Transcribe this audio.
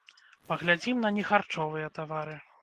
Паглядзім на нехарчовыя тавары.